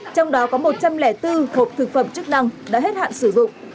trong đó có một trăm linh bốn hộp thực phẩm chức năng đã hết hạn sử dụng